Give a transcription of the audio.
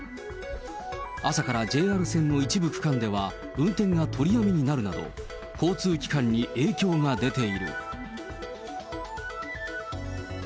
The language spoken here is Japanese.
朝からＪＲ線の一部区間では、運転が取りやめになるなど、交通機関に影響が出ている。